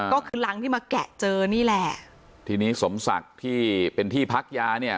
ก็คือรังที่มาแกะเจอนี่แหละทีนี้สมศักดิ์ที่เป็นที่พักยาเนี่ย